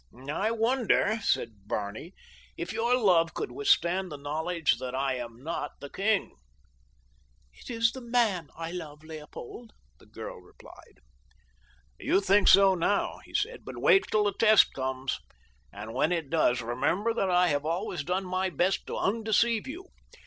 "I wonder," said Barney, "if your love could withstand the knowledge that I am not the king." "It is the MAN I love, Leopold," the girl replied. "You think so now," he said, "but wait until the test comes, and when it does, remember that I have always done my best to undeceive you.